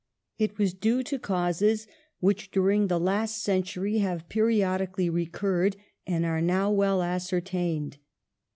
It was due to causes which during the last century have periodically recuiTed and are now well ascertained.